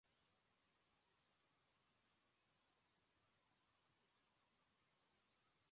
বছরজুড়ে বলিউডের বড় বাজেটের কোনো ছবিই দর্শকদের তেমন সন্তুষ্ট করতে পারেনি।